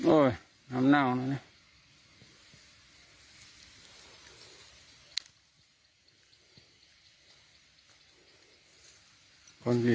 โอ้ยน้ำเน่านะเนี่ย